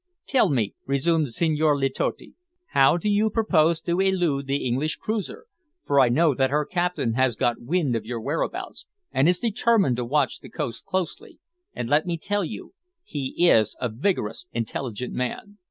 "Tell me," resumed Senhor Letotti, "how do you propose to elude the English cruiser? for I know that her captain has got wind of your whereabouts, and is determined to watch the coast closely and let me tell you, he is a vigorous, intelligent man."